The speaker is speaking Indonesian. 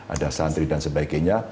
ada santri dan sebagainya